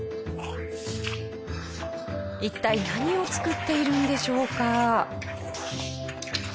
一体何を作っているんでしょうか？